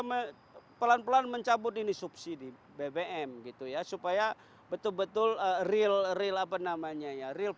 kita pelan pelan mencabut ini subsidi bbm gitu ya supaya betul betul real real apa namanya ya real